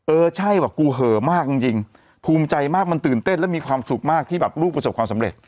เออใช่บอกกูเหอะมากจริงภูมิใจมากมันตื่นเต้นและมีความสุขมากที่แบบลูกประสบความสำเร็จ